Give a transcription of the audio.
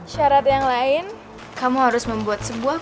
syarat yang lain kamu harus membuat sebuah